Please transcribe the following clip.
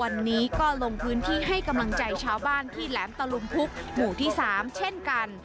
วันนี้ก็ลงพื้นที่ให้กำลังใจชาวบ้านที่แหลมตะลุมพุกหมู่ที่๓เช่นกัน